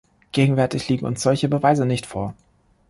Gegenwärtig liegen uns solche Beweise nicht vor.